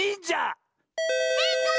せいかい！